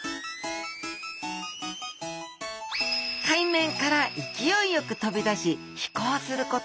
海面から勢いよく飛び出し飛行すること！